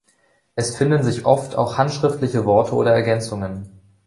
Es finden sich oft auch handschriftliche Worte oder Ergänzungen.